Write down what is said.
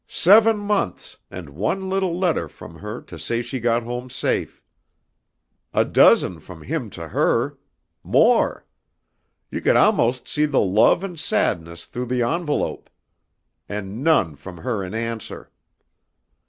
"Seven months and one little letter from her to say she got home safe. A dozen from him to her. More. You could almost see the love and sadness through the envelope. And none from her in answer.